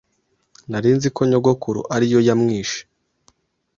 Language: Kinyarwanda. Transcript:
nari nzi ko nyogokuru ari yo yamwishe